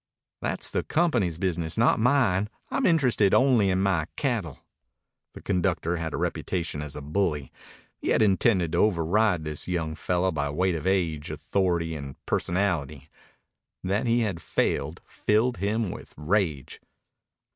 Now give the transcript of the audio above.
"That's the company's business, not mine. I'm interested only in my cattle." The conductor had a reputation as a bully. He had intended to override this young fellow by weight of age, authority, and personality. That he had failed filled him with rage.